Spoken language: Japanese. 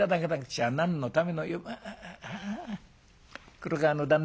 黒川の旦那